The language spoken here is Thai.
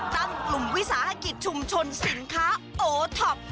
กลุ่มวิสาหกิจชุมชนสินค้าโอท็อป